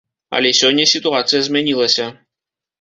Але сёння сітуацыя змянілася.